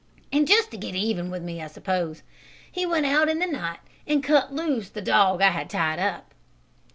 And, just to get even with me, I suppose, he went out in the night and cut loose the dog I had tied up."